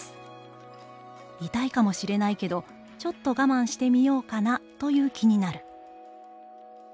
痛いかもしれないけど、ちょっと我慢してみようかなという気になる」。